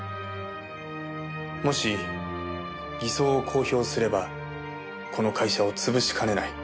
もし偽装を公表すればこの会社を潰しかねない。